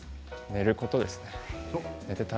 寝ることですね。